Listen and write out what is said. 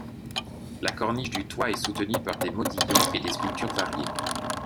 La corniche du toit est soutenue par des modillons et des sculptures variées.